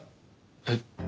えっ？